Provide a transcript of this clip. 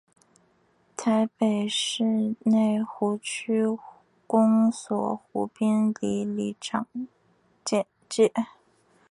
台北市内湖区公所湖滨里里长简介